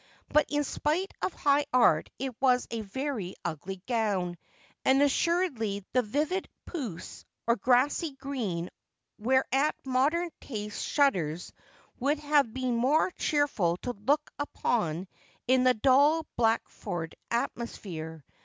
But in spite of high art it was a very ugly gown, and assuredly the vivid puce or grassy green whereat modern taste shudders would have been more cheerful to look upon in the dull Black ford atmosphere.